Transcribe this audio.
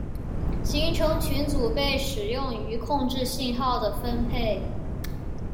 行程群组被使用于控制信号的分配。